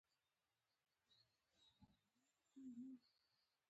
دا توپیرونه چین او جاپان له لوېدیځې اروپا څخه جلا کاوه.